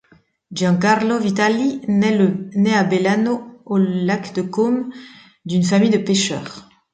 Giancarlo Vitali naît le à Bellano, au lac de Côme, d'une famille de pêcheurs.